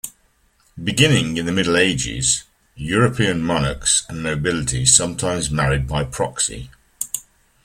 Beginning in the Middle Ages, European monarchs and nobility sometimes married by proxy.